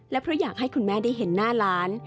และเพราะอยากให้คุณแม่ได้เห็นหน้าหลาน